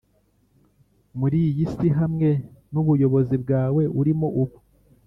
muri iyi si hamwe nubuyobozi bwawe urimo ubu